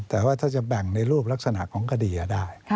แต่ว่าถ้าจะแบ่งในรูปลักษณะของคดีได้